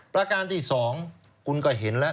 ประการที่๒คุณก็เห็นแล้ว